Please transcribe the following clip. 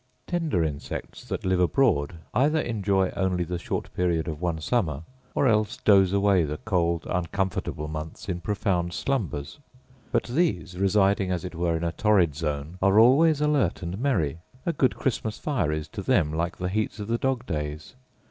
Tender insects that live abroad either enjoy only the short period of one summer, or else doze away the cold uncomfortable months in profound slumbers; but these, residing as it were in a torrid zone, are always alert and merry: a good Christmas fire is to them like the heats of the dog days.